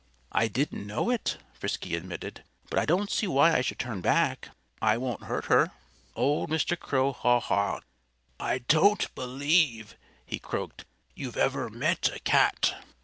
"I didn't know it," Frisky admitted. "But I don't see why I should turn back. I won't hurt her." Old Mr. Crow haw hawed. "I don't believe," he croaked, "you've ever met a cat."